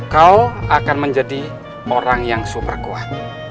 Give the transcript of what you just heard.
kau akan menjadi orang yang super kuat